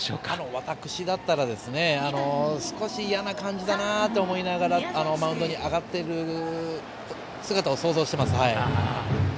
私だったら少し嫌な感じだなと思いながらマウンドに上がっている姿を想像しています。